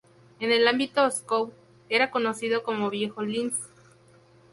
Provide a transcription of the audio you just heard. En el ámbito scout, era conocido como Viejo Lince.